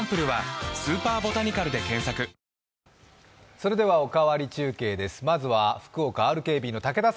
それでは「おかわり中継」です。